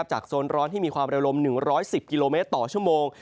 โซนร้อนที่มีความเร็วลม๑๑๐กิโลเมตรต่อชั่วโมง